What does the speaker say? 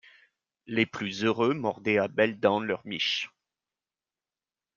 Les plus heureux mordaient à belles dents leur miche.